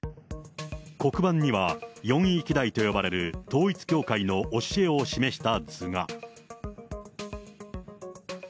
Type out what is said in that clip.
黒板には、四位基台と呼ばれる統一教会の教えを示した図が。